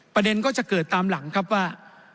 ประเด็นก็จะเกิดตามหลังครับว่า